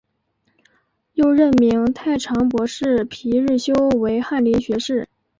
又任命太常博士皮日休为翰林学士。